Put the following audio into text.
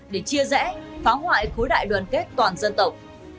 để chia rẽ phá hoại khối đại đoàn kết toàn dân tộc